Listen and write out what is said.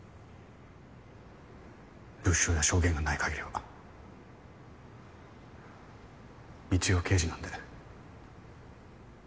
物証や証言がないかぎりは一応刑事なんで。